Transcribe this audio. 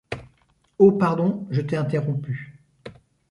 Oh pardon je t’ai interrompue.